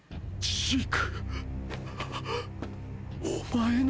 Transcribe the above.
ジーク！！